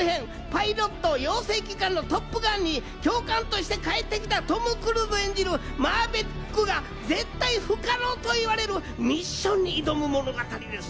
パイロット養成機関のトップガンに教官として帰ってきたトム・クルーズ演じるマーヴェリックが絶対不可能といわれるミッションに挑む物語です。